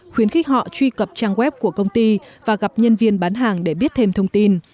khuyến khích họ truy cập trang web của công ty và gặp nhân viên bán hàng để biết thêm thông tin